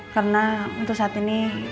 karena untuk saat ini